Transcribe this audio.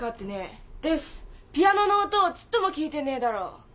「ピアノの音をちっとも聴いてねえだろ」です！